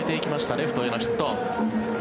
レフトへのヒット。